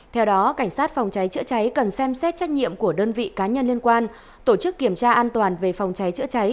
theo đó cảnh sát phòng cháy chữa cháy cần xem xét trách nhiệm của đơn vị cá nhân liên quan tổ chức kiểm tra an toàn về phòng cháy chữa cháy